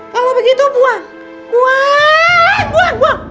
kalau begitu buang buang buang buang